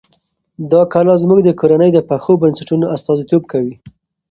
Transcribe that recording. دا کلا زموږ د کورنۍ د پخو بنسټونو استازیتوب کوي.